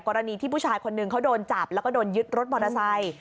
กรณีที่ผู้ชายคนหนึ่งเขาโดนจับแล้วก็โดนยึดรถมอเตอร์ไซค์